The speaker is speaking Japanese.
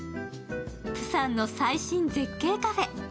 プサンの最新絶景カフェ